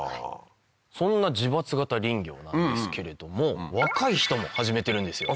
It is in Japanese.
そんな自伐型林業なんですけれども若い人も始めてるんですよ。